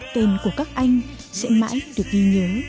tên của các anh sẽ mãi được ghi nhớ